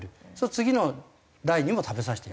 次の代にも食べさせていく。